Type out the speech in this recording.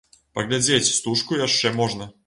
Паглядзець стужку яшчэ можна.